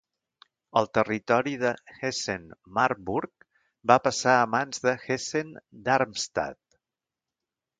El territori de Hessen-Marburg va passar a mans de Hessen-Darmstadt.